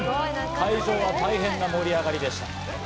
会場は大変な盛り上がりでした。